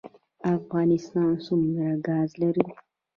افغانستان څومره ګاز لري؟